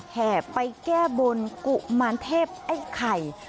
แห่ไปแก้บนกุมารเทพไอ้ไข่